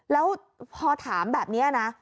แล้วพอถามแบบนี้นะ